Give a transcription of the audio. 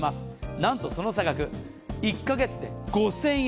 なんとその差額、１か月で５０００円